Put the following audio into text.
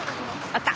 あった！